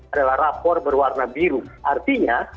adalah rapor berwarna biru artinya